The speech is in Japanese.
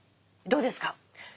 どうですか？